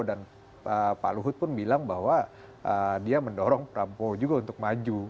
dan pak luhut pun bilang bahwa dia mendorong prabowo juga untuk maju